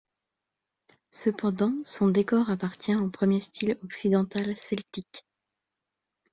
Cependant, son décor appartient au Premier style occidental celtique.